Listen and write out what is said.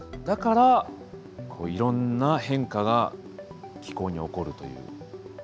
だからいろんな変化が気候に起こるという。